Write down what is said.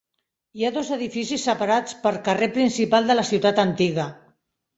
Hi ha dos edificis separats per carrer principal de la ciutat antiga.